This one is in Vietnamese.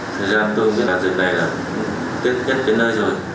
thời gian tôi mới gặp dịp này là tết nhất đến nơi rồi